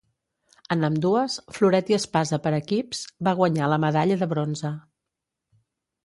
En ambdues, floret i espasa per equips, va guanyar la medalla de bronze.